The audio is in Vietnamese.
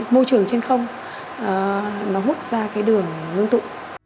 môi trường trên không nó hút ra cái đường hương tự